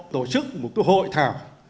tổ chức một hội thảo